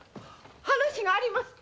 話があります